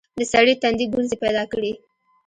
د سړي تندي ګونځې پيدا کړې.